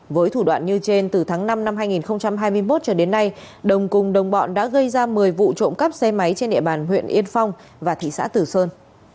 với thủ đoạn như trên từ tháng năm năm hai nghìn hai mươi một cho đến nay đồng cùng đồng bọn đã gây ra một mươi vụ trộm cắp xe máy trên địa bàn huyện yên phong và thị xã tử sơn